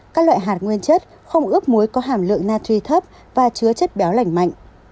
các loại hạt nguyên chất không ướp muối có hàm lượng nathi thấp và chứa chất béo lành mạnh